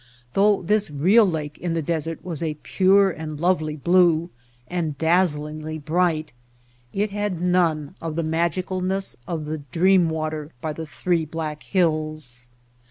Though this real lake in the desert was a pure and lovely blue, and daz zlingly bright, it had none of the magicalness of the dream water by the three black hills.